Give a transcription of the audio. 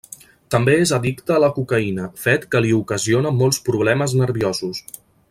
També és addicte a la cocaïna, fet que li ocasiona molts problemes nerviosos.